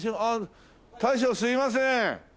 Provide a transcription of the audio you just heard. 大将すいません！